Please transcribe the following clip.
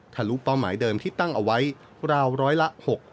ทะลุเป้าหมายเดิมที่ตั้งเอาไว้ราวร้อยละ๖๐